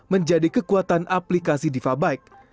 menjadi kekuatan aplikasi diva bike